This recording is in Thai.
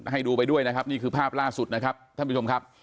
ให้ดูไปด้วยนะครับนี่คือภาพล่าสุดนะครับท่านผู้ชมครับ